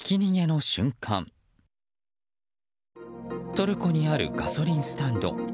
トルコにあるガソリンスタンド。